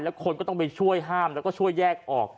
คนก็ต้องไปช่วยห้ามแล้วก็ช่วยแยกออก